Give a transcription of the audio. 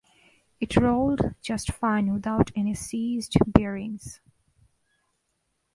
It rolled just fine without any seized bearings.